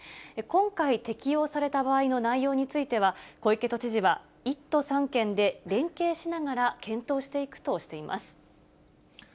今回、適用された場合の内容については、小池都知事は１都３県で連携しながら、検討していくとしています。